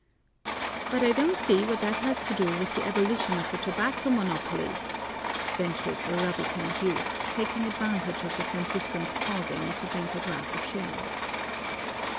"But I don't see what that has to do with the abolition of the tobacco monopoly," ventured the rubicund youth, taking advantage of the Franciscan's pausing to drink a glass of sherry.